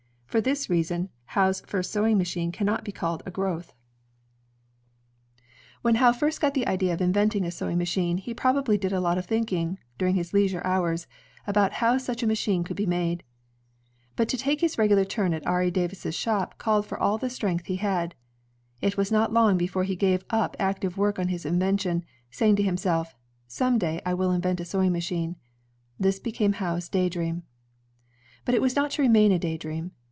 For this reason, Howe's first sewing machine cannot be called a growth. 128 INVENTIONS OF MANUFACTURE AND PRODUCTION When Howe first got the idea of inventing a sewing machine, he probably did a lot of thinking, during his leisure hours, about how such a machine could be made. But to take his regular turn at Ari Davis's shop called for all the strength he had. It was not long before he gave up active work on his invention, saying to himself, "Some »day, I will invent a sewing machine." This became Howe's daydream. But it was not to remain a daydream.